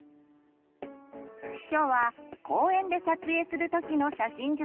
今日は公園で撮影する時の写真術。